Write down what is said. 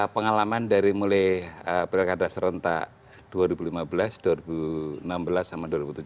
pengalaman dari mulai pilkada serentak dua ribu lima belas dua ribu enam belas sama dua ribu tujuh belas